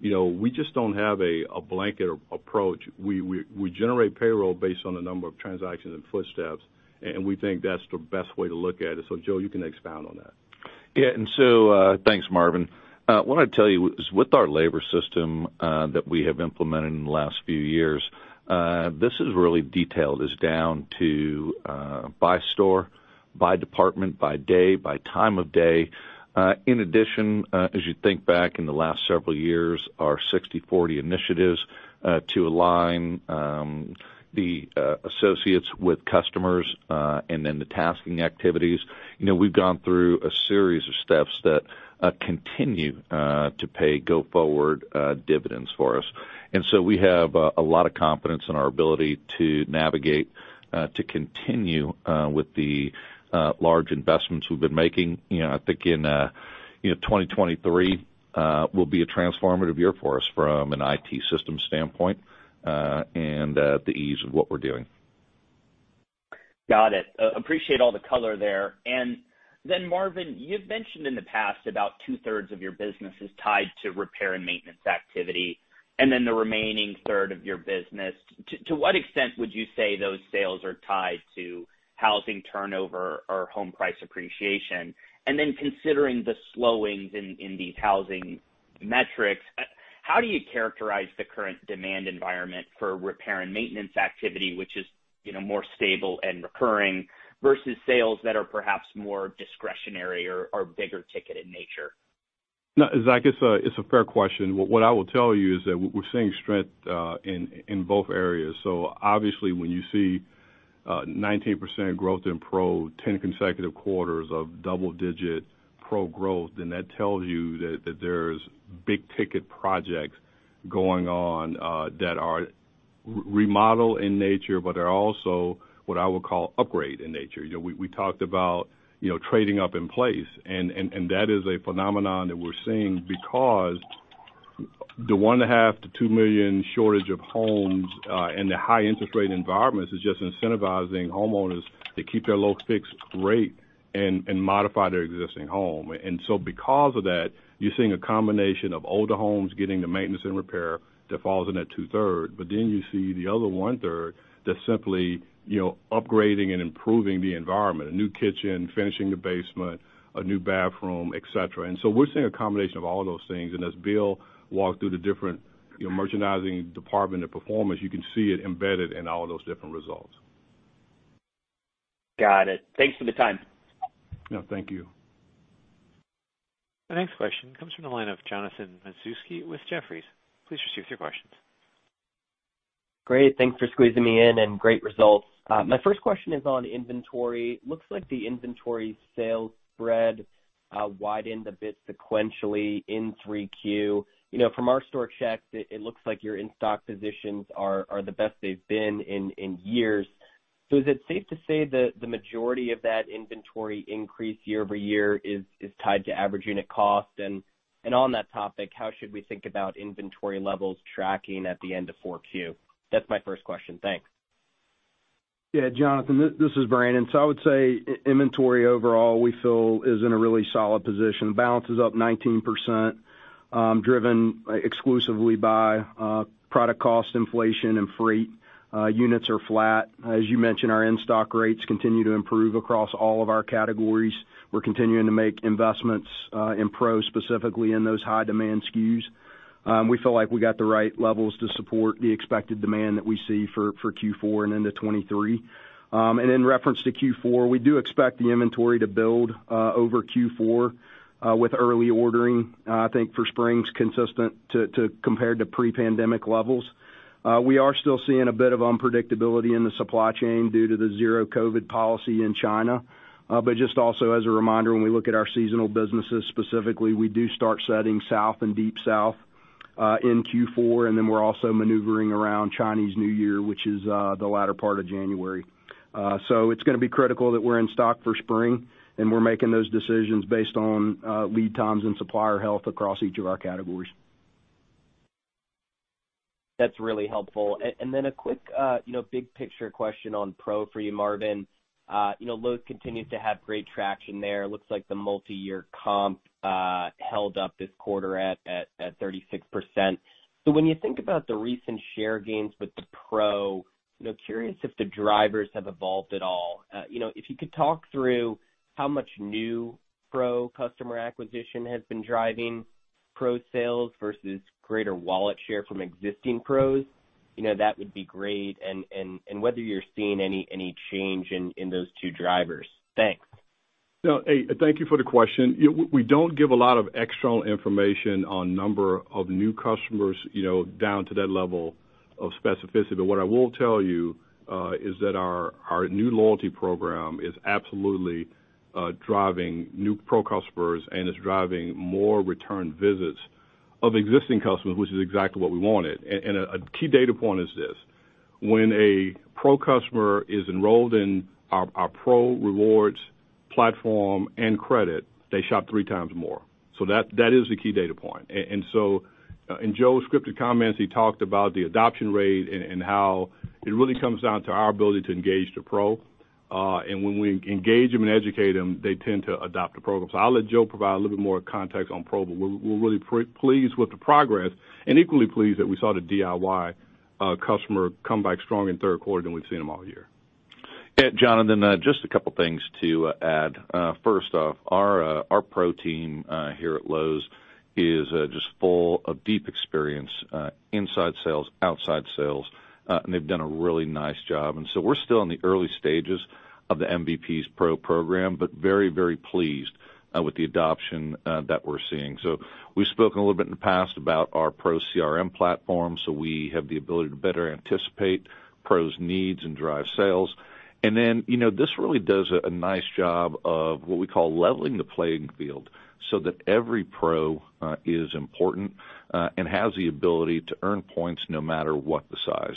you know, we just don't have a blanket approach. We generate payroll based on the number of transactions and footsteps, and we think that's the best way to look at it. Joe, you can expound on that. Yeah. Thanks, Marvin. What I'd tell you is with our labor system that we have implemented in the last few years, this is really detailed. It's down to by store, by department, by day, by time of day. In addition, as you think back in the last several years, our 60/40 initiatives to align the associates with customers and then the tasking activities. You know, we've gone through a series of steps that continue to pay going forward dividends for us. We have a lot of confidence in our ability to navigate to continue with the large investments we've been making. You know, I think in you know 2023 will be a transformative year for us from an IT system standpoint, and the ease of what we're doing. Got it. Appreciate all the color there. Marvin, you've mentioned in the past about two-thirds of your business is tied to repair and maintenance activity, and then the remaining third of your business. To what extent would you say those sales are tied to housing turnover or home price appreciation? Considering the slowings in these housing metrics, how do you characterize the current demand environment for repair and maintenance activity, which is, you know, more stable and recurring versus sales that are perhaps more discretionary or bigger ticket in nature? No, Zach, it's a fair question. What I will tell you is that we're seeing strength in both areas. Obviously, when you see 19% growth in pro, 10 consecutive quarters of double-digit pro growth, then that tells you that there's big-ticket projects going on that are remodel in nature, but are also what I would call upgrade in nature. You know, we talked about, you know, trading up in place, and that is a phenomenon that we're seeing because the 1.5-2 million shortage of homes and the high interest rate environment is just incentivizing homeowners to keep their low fixed rate and modify their existing home. Because of that, you're seeing a combination of older homes getting the maintenance and repair that falls in that two-thirds, but then you see the other one-third that's simply, you know, upgrading and improving the environment, a new kitchen, finishing the basement, a new bathroom, et cetera. We're seeing a combination of all those things. As Bill walked through the different, you know, merchandising department and performance, you can see it embedded in all those different results. Got it. Thanks for the time. No, thank you. The next question comes from the line of Jonathan Matuszewski with Jefferies. Please proceed with your questions. Great. Thanks for squeezing me in and great results. My first question is on inventory. Looks like the inventory sales spread widened a bit sequentially in 3Q. You know, from our store checks, it looks like your in-stock positions are the best they've been in years. So is it safe to say that the majority of that inventory increase year-over-year is tied to average unit cost? And on that topic, how should we think about inventory levels tracking at the end of 4Q? That's my first question. Thanks. Yeah. Jonathan, this is Brandon. I would say inventory overall, we feel is in a really solid position. Balance is up 19%, driven exclusively by product cost inflation and freight. Units are flat. As you mentioned, our in-stock rates continue to improve across all of our categories. We're continuing to make investments in Pro, specifically in those high demand SKUs. We feel like we got the right levels to support the expected demand that we see for Q4 and into 2023. In reference to Q4, we do expect the inventory to build over Q4 with early ordering. I think for springs consistent compared to pre-pandemic levels. We are still seeing a bit of unpredictability in the supply chain due to the zero COVID policy in China. Just also as a reminder, when we look at our seasonal businesses specifically, we do start setting south and deep south in Q4, and then we're also maneuvering around Chinese New Year, which is the latter part of January. It's gonna be critical that we're in stock for spring, and we're making those decisions based on lead times and supplier health across each of our categories. That's really helpful. Then a quick, you know, big picture question on Pro for you, Marvin. You know, Lowe's continues to have great traction there. It looks like the multiyear comp held up this quarter at 36%. When you think about the recent share gains with the Pro, you know, curious if the drivers have evolved at all. You know, if you could talk through how much new Pro customer acquisition has been driving Pro sales versus greater wallet share from existing Pros, you know, that would be great, and whether you're seeing any change in those two drivers. Thanks. No, and thank you for the question. We don't give a lot of external information on number of new customers, you know, down to that level of specificity. What I will tell you is that our new loyalty program is absolutely driving new Pro customers and is driving more return visits of existing customers, which is exactly what we wanted. A key data point is this, when a Pro customer is enrolled in our Pro rewards platform and credit, they shop three times more. That is the key data point. In Joe's scripted comments, he talked about the adoption rate and how it really comes down to our ability to engage the Pro. When we engage them and educate them, they tend to adopt the program. I'll let Joe provide a little bit more context on Pro, but we're really pleased with the progress and equally pleased that we saw the DIY customer come back strong in third quarter than we've seen them all year. Yeah, Jonathan, just a couple things to add. First off, our Pro team here at Lowe's is just full of deep experience inside sales, outside sales, and they've done a really nice job. We're still in the early stages of the MVP Pro program, but very, very pleased with the adoption that we're seeing. We've spoken a little bit in the past about our Pro CRM platform, so we have the ability to better anticipate Pro's needs and drive sales. You know, this really does a nice job of what we call leveling the playing field so that every Pro is important and has the ability to earn points no matter what the size.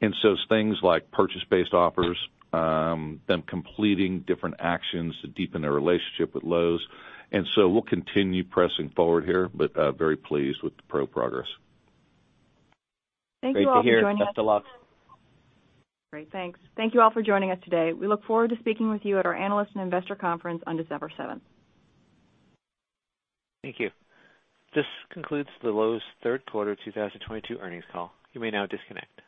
It's things like purchase-based offers, them completing different actions to deepen their relationship with Lowe's. We'll continue pressing forward here, but very pleased with the Pro progress. Great to hear. Thank you all for joining us. Best of luck. Great. Thanks. Thank you all for joining us today. We look forward to speaking with you at our Analyst and Investor Conference on December seventh. Thank you. This concludes the Lowe's third quarter 2022 earnings call. You may now disconnect.